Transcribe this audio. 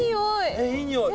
えいい匂い。